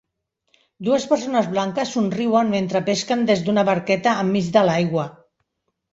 Dues persones blanques somriuen mentre pesquen des d'una barqueta enmig de l'aigua.